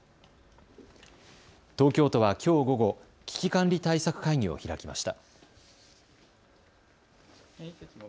東京都はきょう午後、危機管理対策会議を開きました。